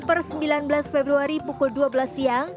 per sembilan belas februari pukul dua belas siang